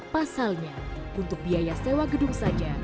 pasalnya untuk biaya sewa gedung saja